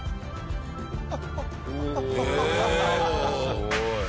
すごい！